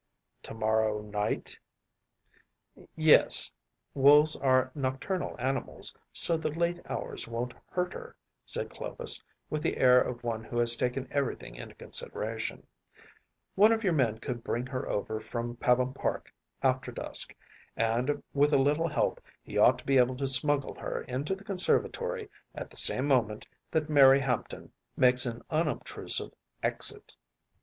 “To morrow night?‚ÄĚ “Yes, wolves are nocturnal animals, so the late hours won’t hurt her,‚ÄĚ said Clovis, with the air of one who has taken everything into consideration; “one of your men could bring her over from Pabham Park after dusk, and with a little help he ought to be able to smuggle her into the conservatory at the same moment that Mary Hampton makes an unobtrusive exit.